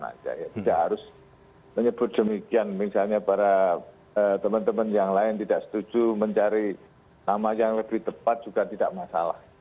tidak harus menyebut demikian misalnya para teman teman yang lain tidak setuju mencari nama yang lebih tepat juga tidak masalah